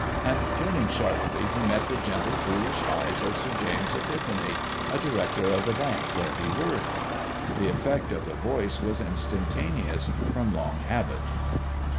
And, turning sharply, he met the gentle, foolish eyes of Sir James Epiphany, a director of the Bank where he worked. The effect of the voice was instantaneous from long habit.